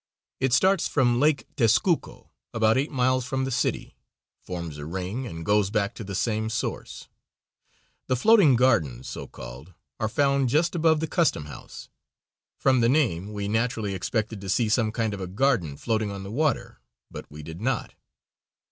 It starts from Lake Tezcuco, about eight miles from the city, forms a ring, and goes back to the same source. The floating gardens, so called, are found just above the Custom House. From the name we naturally expected to see some kind of a garden floating on the water; but we did not.